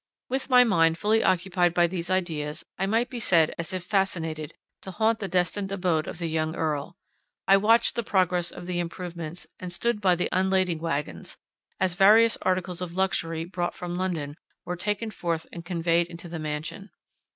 With my mind fully occupied by these ideas, I might be said as if fascinated, to haunt the destined abode of the young Earl. I watched the progress of the improvements, and stood by the unlading waggons, as various articles of luxury, brought from London, were taken forth and conveyed into the mansion.